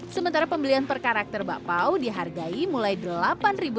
sementara pembelian per karakter bakpao dihargai mulai dari rp dua ratus ribu